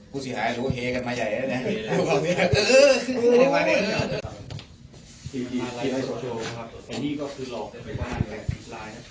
กูสิหายหรือเฮกันมาใหญ่แล้วเนี่ย